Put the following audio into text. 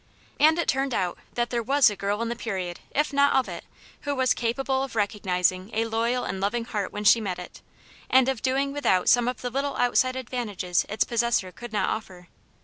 And it turned out that there was a girl in the 26o Aunt Janets Hero. period, if not of it, who was capable of recognizing a loyal and loving heart when she met it, and of doing without some of the little outside advantages its possessor could not offer.